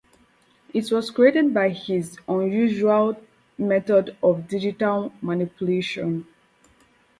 It was created by his usual method of digital manipulation.